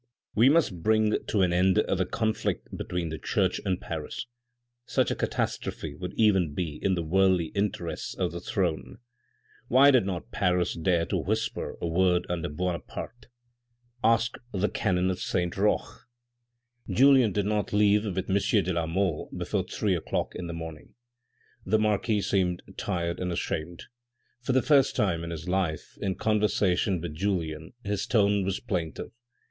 " We must bring to an end the conflict between the church and Paris. Such a catastrophe would even be in the worldly interests of the throne. Why did not Paris dare to whisper a word under Buonaparte ? Ask the cannon of Saint Roch ?" 396 THE RED AND THE BLACK Julien did not leave with M. de la Mole before three o'clock in the morning. The marquis seemed tired and ashamed. For the first time in his life in conversation with Julien, his tone was plaintive.